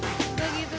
jadi menubuh pada kota